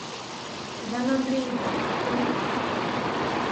— Иван Андреевич, тый?..